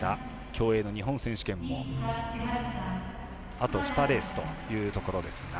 競泳の日本選手権もあと２レースというところです。